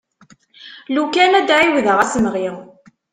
Lukan ad d-ɛiwdeɣ asemɣi.